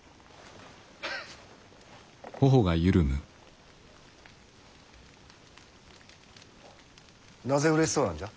ヘヘッ。なぜうれしそうなんじゃ？